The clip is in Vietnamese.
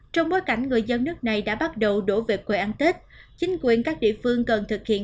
trong bối cảnh người dân nước này đã bắt đầu đổ về quê ăn tết chính quyền các địa phương cần thực hiện